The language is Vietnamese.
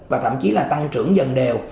và thậm chí là tăng trưởng dần đều